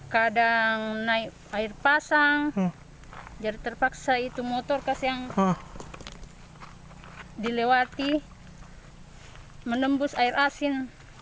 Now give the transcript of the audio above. kadang naik air pasang jadi terpaksa itu motor kasih yang dilewati menembus air asin